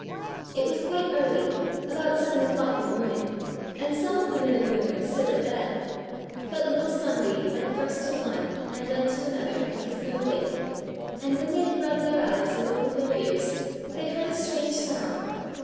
It was quite early, about seven o'clock in the morning, and some of the men and women were still in bed; but little sunbeam went first to one and then to another and kissed them awake, and when they had rubbed their eyes and opened their ears, they heard a strange sound.